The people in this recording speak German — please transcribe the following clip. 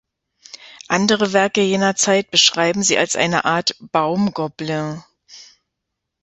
Andere Werke jener Zeit beschreiben sie als eine Art „Baum-Goblin“.